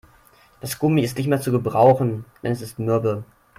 Das Gummi ist nicht mehr zu gebrauchen, denn es ist mürbe.